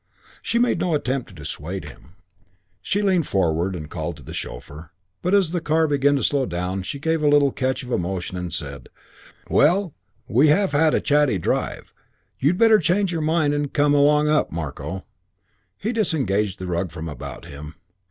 She made no attempt to dissuade him. She leaned forward and called to the chauffeur; but as the car began to slow down, she gave a little catch of emotion and said, "Well, we have had a chatty drive. You'd better change your mind and come along up, Marko." He disengaged the rug from about him.